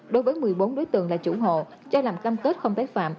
đối với một mươi bốn đối tượng là chủ hộ cho làm cam kết không tái phạm